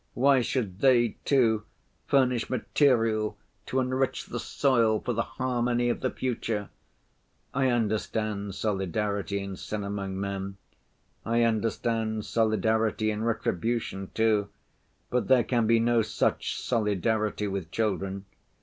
Why should they, too, furnish material to enrich the soil for the harmony of the future? I understand solidarity in sin among men. I understand solidarity in retribution, too; but there can be no such solidarity with children.